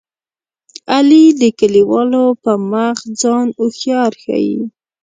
علي د کلیوالو په مخ ځان هوښیار ښيي.